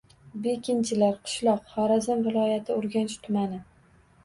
Bekenchilar – qishloq, Xorazm viloyati Urganch tumani.